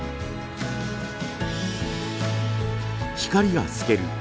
光が透ける